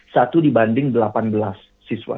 satu dibanding delapan belas siswa